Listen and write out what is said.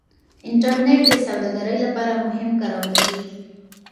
انټرنیټ د سوداګرۍ لپاره هم کارول کیږي.